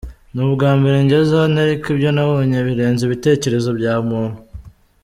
Ni ubwa mbere ngeze hano ariko ibyo nabonye birenze ibitekerezo bya muntu.